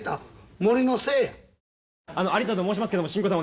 あの有田と申しますけどもシンコさん